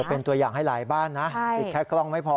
เป็นตัวอย่างให้หลายบ้านนะติดแค่กล้องไม่พอ